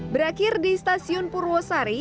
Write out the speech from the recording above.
berakhir di stasiun purwosari